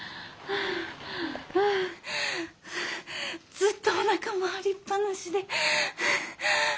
ずっとおなかも張りっぱなしで。